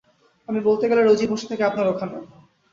আমি বলতে গেলে রোজই বসে থাকি আপনার ওখানে।